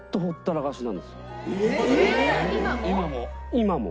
今も。